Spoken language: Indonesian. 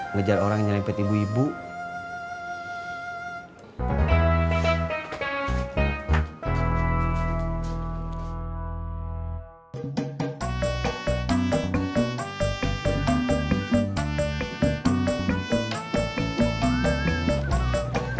ngejar orang yang nyerempet